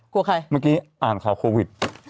กลัวใครเมื่อกี้อ่านข่าวโควิด